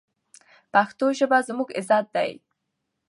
پښتو ژبه زموږ عزت دی.